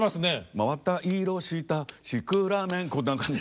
「真綿色したシクラメン」こんな感じ。